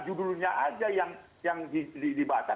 judulnya aja yang dibaca